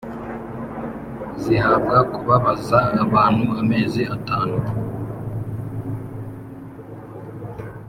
zihabwa kubabaza abantu amezi atanu.